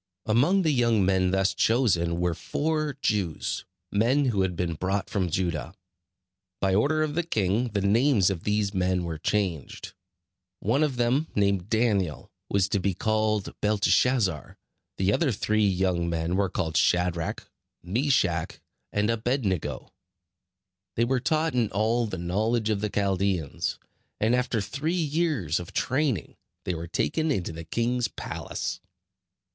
Among the young men thus chosen were four Jews, men who had been brought from Judah. By order of the king the names of these men were changed. One of them, named Daniel, was to be called Belteshazzer; the other three young men were called Shadrach, Meshach and Abed nego. They were taught in all the knowledge of the Chaldeans; and after three years of training they were taken into the king's palace.